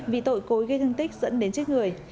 vì tội cối gây thương tích dẫn đến chết người